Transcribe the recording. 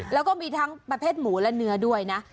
แล้วก็มีทั้งประเภทหมูและเนื้อด้วยนะ